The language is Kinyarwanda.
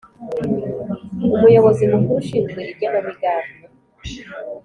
Umuyobozi mukuru ushinzwe igenamigambi